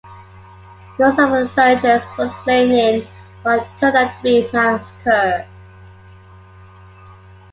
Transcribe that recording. Most of the insurgents were slain in what turned out to be a massacre.